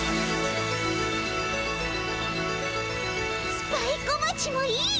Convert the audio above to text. スパイ小町もいい！